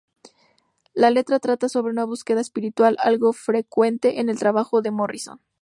La letra trata sobre una búsqueda espiritual, algo frecuente en el trabajo de Morrison.